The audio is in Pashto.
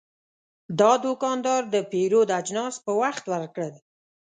دا دوکاندار د پیرود اجناس په وخت ورکړل.